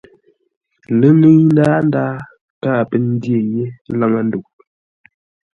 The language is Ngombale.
Ləŋəi ndaa káa pə́ ndyé yé laŋə́-ndə̂u.